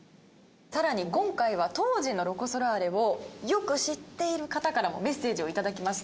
更に今回は当時のロコ・ソラーレをよく知っている方からもメッセージをいただきました。